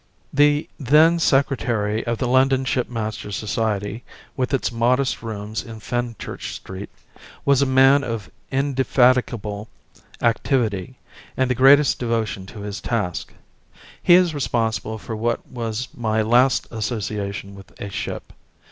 The then secretary of the London Shipmasters' Society, with its modest rooms in Fenchurch Street, was a man of indefatigable activity and the greatest devotion to his task. He is responsible for what was my last association with a ship.